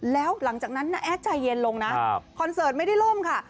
แล้วหลังจากนั้นน้าแอดใจเย็นลงนะคอนเสิร์ตไม่ได้ล่มค่ะ